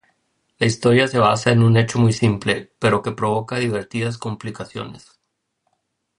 La historia se basa en un hecho muy simple, pero que provoca divertidas complicaciones.